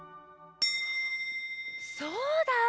そうだ！